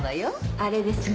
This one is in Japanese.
あれですね？